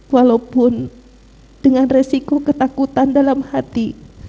walaupun dengan resiko ketakutan dalam hati